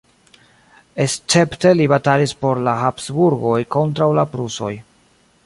Escepte li batalis por la Habsburgoj kontraŭ la prusoj.